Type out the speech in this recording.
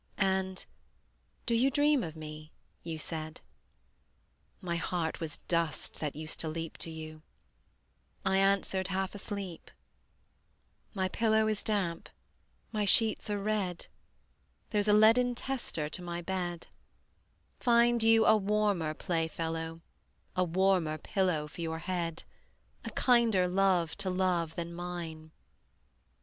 And "Do you dream of me?" you said. My heart was dust that used to leap To you; I answered half asleep: "My pillow is damp, my sheets are red, There's a leaden tester to my bed: Find you a warmer playfellow, A warmer pillow for your head, A kinder love to love than mine."